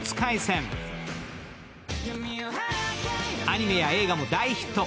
アニメや映画も大ヒット。